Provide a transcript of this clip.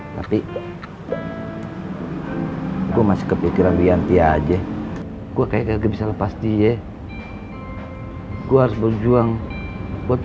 tapi gue masih kepikiran rianti aja gue kayaknya bisa lepas dia gua berjuang buat rianti